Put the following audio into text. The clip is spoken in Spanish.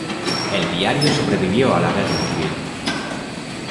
El diario sobrevivió a la Guerra civil.